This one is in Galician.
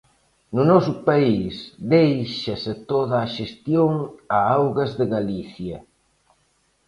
No noso país déixase toda a xestión a Augas de Galicia.